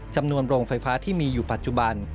โรงไฟฟ้าที่มีอยู่ปัจจุบัน